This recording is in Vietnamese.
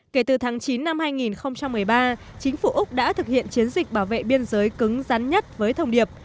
kể từ tháng chín năm hai nghìn một mươi ba chính phủ úc đã thực hiện chiến dịch bảo vệ biên giới cứng rắn nhất với thông điệp